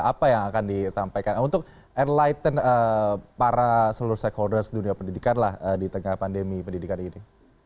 apa yang akan disampaikan untuk enlighten para seluruh stakeholders dunia pendidikan lah di tengah pandemi pendidikan ini